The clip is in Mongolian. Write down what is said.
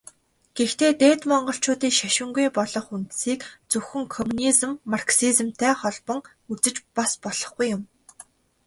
Гэхдээ Дээд Монголчуудын шашингүй болох үндсийг зөвхөн коммунизм, марксизмтай холбон үзэж бас болохгүй юм.